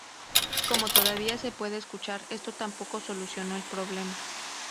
Como todavía se puede escuchar, esto tampoco solucionó el problema.